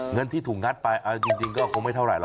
เงินที่ถูกงัดไปเอาจริงก็คงไม่เท่าไหรห